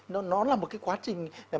nó là một cái quá trình